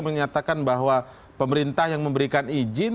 menyatakan bahwa pemerintah yang memberikan izin